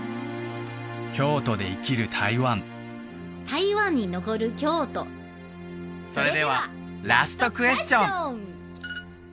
京都で生きる台湾台湾に残る京都それではラストクエスチョン